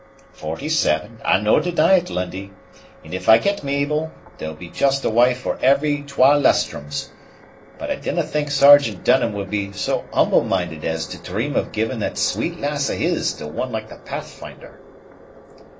"Forty seven; I'll no' deny it, Lundie; and if I get Mabel, there'll be just a wife for every twa lustrums. But I didna think Sergeant Dunham would be so humble minded as to dream of giving that sweet lass of his to one like the Pathfinder."